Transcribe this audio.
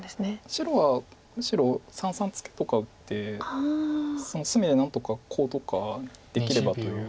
白はむしろ三々ツケとか打って隅で何とかコウとかできればという。